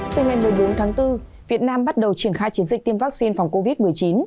từ ngày một mươi bốn tháng bốn việt nam bắt đầu triển khai chiến dịch tiêm vaccine phòng covid một mươi chín